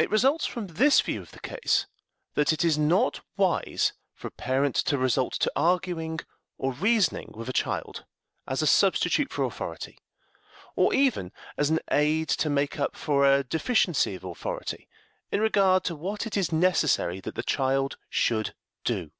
It results from this view of the case that it is not wise for a parent to resort to arguing or reasoning with a child, as a substitute for authority, or even as an aid to make up for a deficiency of authority, in regard to what it is necessary that the child should do.